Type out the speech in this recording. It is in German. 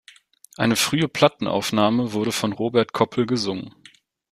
Eine frühe Plattenaufnahme wurde von Robert Koppel gesungen.